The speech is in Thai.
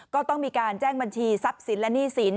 ก็ต้องมีการแจ้งบัญชีทรัพย์สินและหนี้สิน